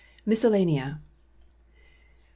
MISCELLANEA Pkof.